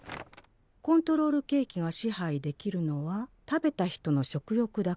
コントロールケーキが支配できるのは食べた人の食欲だけである。